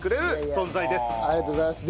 ありがとうございます。